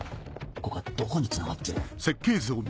ここはどこにつながってる？